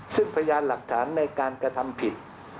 ซึ่งพยานหลักฐานในการกระทำผิด